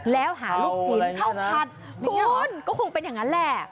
เฮ้ยเขาอะไรอย่างนั้นนะคุณก็คงเป็นอย่างนั้นแหละ